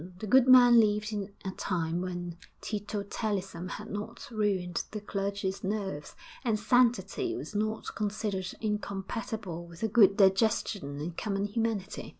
The good man lived in a time when teetotalism had not ruined the clergy's nerves, and sanctity was not considered incompatible with a good digestion and common humanity....